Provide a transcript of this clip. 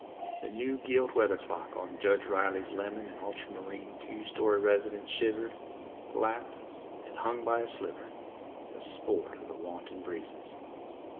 The new gilt weather cock on Judge Riley's lemon and ultramarine two story residence shivered, flapped, and hung by a splinter, the sport of the wanton breezes.